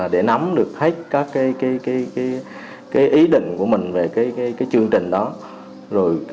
để nắm được hết ý định của mình về chương trình đó